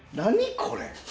これ。